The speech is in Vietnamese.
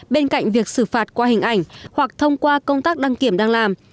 bên cạnh việc xử phạt qua hình ảnh hoặc thông qua công tác đăng kiểm đang làm